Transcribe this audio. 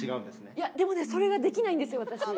いや、でもね、それができないんですよ、私。